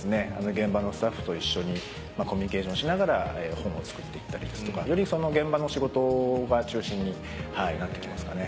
現場のスタッフと一緒にコミュニケーションしながら本を作って行ったりですとかより現場の仕事が中心になって来ますかね。